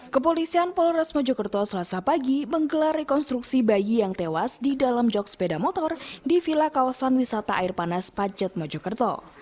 kepolisian polres mojokerto selasa pagi menggelar rekonstruksi bayi yang tewas di dalam jog sepeda motor di vila kawasan wisata air panas pacet mojokerto